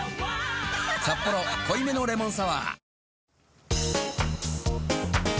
「サッポロ濃いめのレモンサワー」